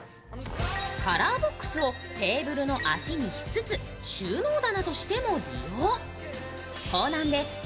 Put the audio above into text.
カラーボックスをテーブルの脚にしつつ収納棚としても利用。